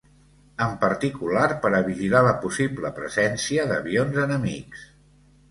En particular per a vigilar la possible presència d’avions enemics.